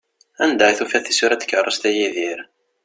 Anda i tufiḍ tisura n tkerrust, a Yidir?